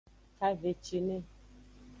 Kavecine.